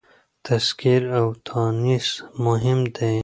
تذکير او تانيث مهم دي.